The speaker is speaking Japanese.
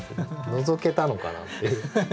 のぞけたのかな？っていう。